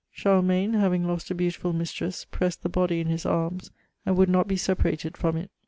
Charlemagne having lost a beautiful mistress, pressed the body in his arms, and would not be separated from it.